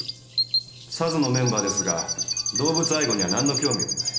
「ＳＡＺ」のメンバーですが動物愛護には何の興味もない。